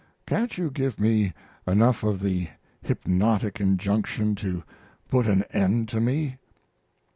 Can't you give me enough of the hypnotic injunction to put an end to me?"